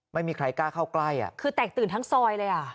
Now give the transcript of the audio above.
ไม่มีใครกล้าเข้าใกล้อ่ะคือแตกตื่นทั้งซอยเลยอ่ะ